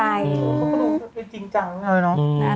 เขาต้องเป็นจริงจังเลยเนาะ